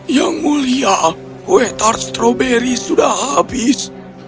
yang mulia kue tar strawberry sudah habis